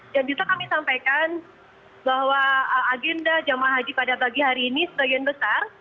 dan bisa kami sampaikan bahwa agenda jum'ah haji pada pagi hari ini sedang besar